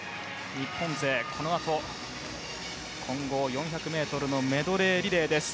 日本勢、このあと混合４００ｍのメドレーリレーです。